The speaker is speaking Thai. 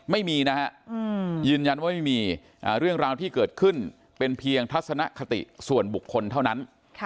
ไม่มีนะฮะยืนยันว่าไม่มีเรื่องราวที่เกิดขึ้นเป็นเพียงทัศนคติส่วนบุคคลเท่านั้น